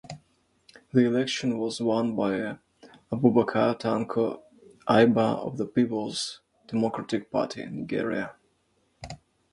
The election was won by Abubakar Tanko Ayuba of the Peoples Democratic Party (Nigeria).